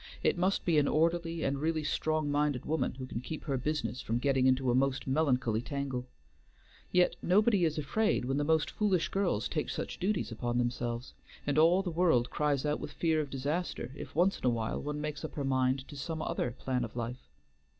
It must be an orderly and really strong minded woman who can keep her business from getting into a most melancholy tangle. Yet nobody is afraid when the most foolish girls take such duties upon themselves, and all the world cries out with fear of disaster, if once in a while one makes up her mind to some other plan of life.